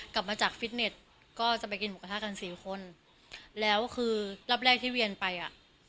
กลับมาจากฟิตเน็ตก็จะไปกินหมูกระทะกันสี่คนแล้วคือรอบแรกที่เวียนไปอ่ะ